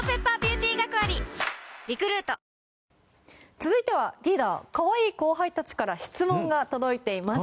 続いては、リーダー可愛い後輩たちから質問が届いています。